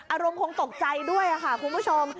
อารมณ์คงตกใจด้วยค่ะคุณผู้ชม